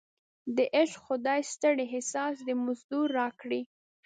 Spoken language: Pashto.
د عشق خدای ستړی احساس د مزدور راکړی